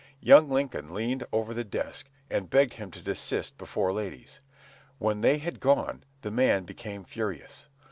Young Lincoln leaned over the desk, and begged him to desist before ladies. When they had gone, the man became furious.